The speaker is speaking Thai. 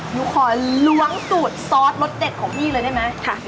หนูขอล้วงสูตรซอสรสเด็ดของพี่เลยได้ไหม